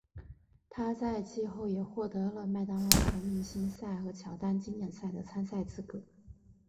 他在季后也获得了麦当劳全明星赛和乔丹经典赛的参赛资格。